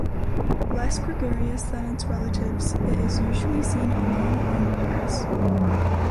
Less gregarious than its relatives, it is usually seen alone or in pairs.